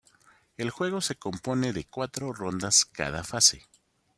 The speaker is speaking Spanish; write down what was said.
El juego se compone de cuatro rondas cada fase.